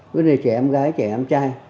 vấn đề trẻ em gái trẻ em trai